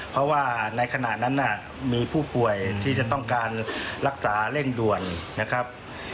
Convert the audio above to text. เพราะว่าในขณะนั้นมีผู้ป่วยที่จะต้องการรักษาเร่งด่วนนะครับ